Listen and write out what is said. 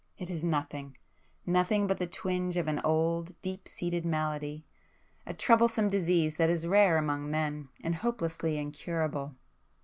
—it is nothing,—nothing but the twinge of an old deep seated malady,—a troublesome disease that is rare among men, and hopelessly incurable."